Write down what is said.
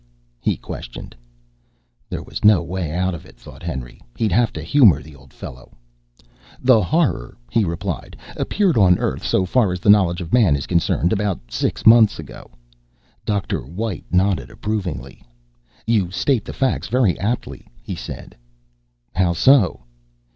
he questioned. There was no way out of it, thought Henry. He'd have to humor the old fellow. "The Horror," he replied, "appeared on Earth, so far as the knowledge of man is concerned, about six months ago." Dr. White nodded approvingly. "You state the facts very aptly," he said. "How so?"